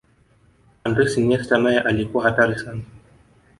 andres iniesta naye alikuwa hatari sana